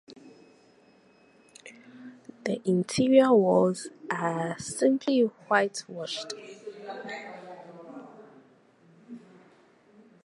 The interior walls are simply whitewashed.